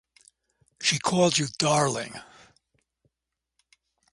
She called you 'darling'.